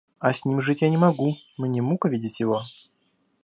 А с ним жить я не могу, мне мука видеть его.